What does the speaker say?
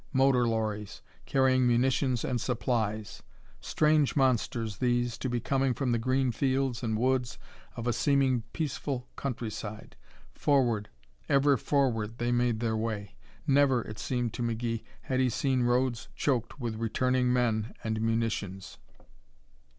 Motor lorries, carrying munitions and supplies. Strange monsters, these, to be coming from the green fields and woods of a seeming peaceful countryside. Forward, ever forward they made their way. Never, it seemed to McGee, had he seen roads choked with returning men and munitions.